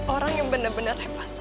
orang yang benar benar reva sayang